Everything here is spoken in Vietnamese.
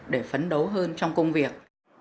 để phấn đấu hơn trong công việc